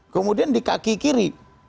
kemudian di kaki kiri